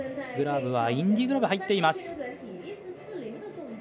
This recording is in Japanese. グラブはインディグラブ入っています。